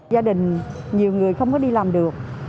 gia đình nhiều người không có đi làm được